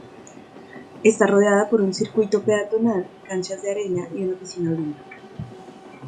Está rodeada por un circuito peatonal, canchas de arena y una piscina olímpica.